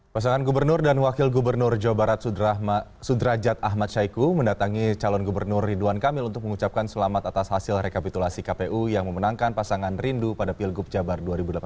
pasangan gubernur dan wakil gubernur jawa barat sudrajat ahmad syaiqo mendatangi calon gubernur ridwan kamil untuk mengucapkan selamat atas hasil rekapitulasi kpu yang memenangkan pasangan rindu pada pilgub jabar dua ribu delapan belas